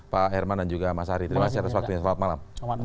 pak herman dan juga mas ari terima kasih atas waktunya selamat malam